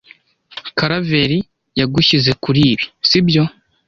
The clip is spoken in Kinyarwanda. Karaveri yagushyize kuri ibi, sibyo?